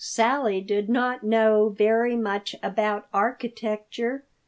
Sally did not know very much about architecture.